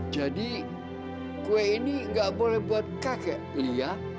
kue ini gak boleh buat kakek lia